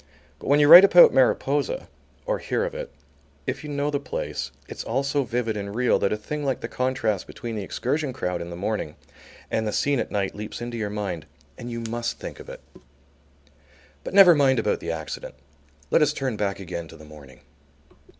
But when you write about Mariposa, or hear of it, if you know the place, it's all so vivid and real that a thing like the contrast between the excursion crowd in the morning and the scene at night leaps into your mind and you must think of it. But never mind about the accident, let us turn back again to the morning.